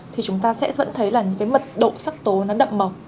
thì chúng ta sẽ vẫn thấy là những cái mật độ sắc tố nó đậm màu